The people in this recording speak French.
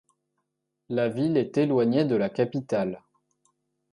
La ville est éloignée de la capitale.